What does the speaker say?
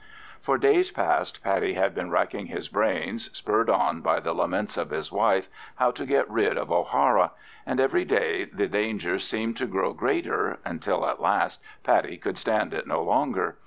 For days past Paddy had been racking his brains, spurred on by the laments of his wife, how to get rid of O'Hara, and every day the danger seemed to grow greater, until at last Paddy could stand it no longer.